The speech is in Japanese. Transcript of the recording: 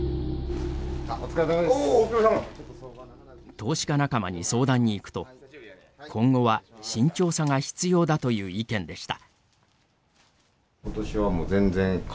投資家仲間に相談に行くと今後は慎重さが必要だという意見でした。